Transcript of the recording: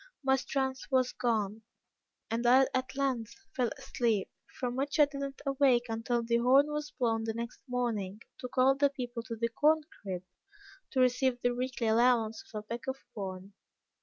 "My strength was gone, and I at length fell asleep, from which I did not awake until the horn was blown the next morning, to call the people to the corn crib, to receive their weekly allowance of a peck of corn.